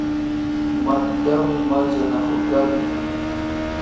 Matitami mayllanakurkani